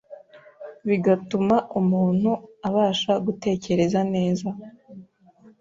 bigatuma umuntu abasha gutekereza neza